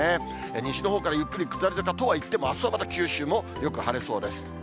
西のほうからゆっくり下り坂とはいっても、あすはまだ九州もよく晴れそうです。